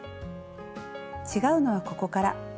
違うのはここから。